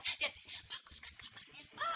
lihat bagus kan kamarnya